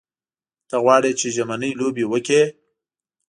ته غواړې چې ژمنۍ لوبې وکړې.